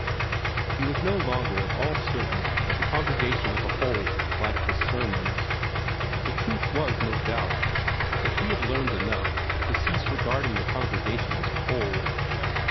He was no longer at all certain that the congregation as a whole liked his sermons. The truth was, no doubt, that he had learned enough to cease regarding the congregation as a whole.